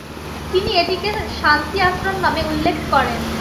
তিনি এটিকে শান্তি আশ্রম নামে উল্লেখ করেন।